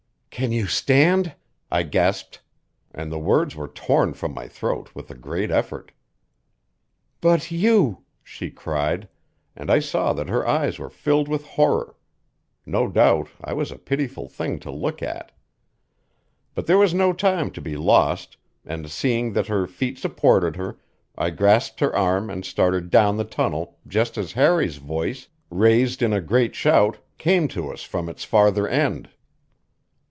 "Can you stand?" I gasped; and the words were torn from my throat with a great effort. "But you!" she cried, and I saw that her eyes were filled with horror. No doubt I was a pitiful thing to look at. But there was no time to be lost, and, seeing that her feet supported her, I grasped her arm and started down the tunnel just as Harry's voice, raised in a great shout, came to us from its farther end.